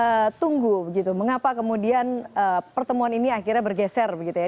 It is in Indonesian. kita tunggu begitu mengapa kemudian pertemuan ini akhirnya bergeser begitu ya